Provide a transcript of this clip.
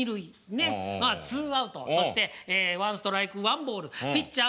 ツーアウトそしてワンストライクワンボールピッチャー